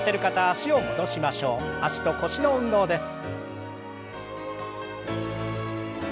脚と腰の運動です。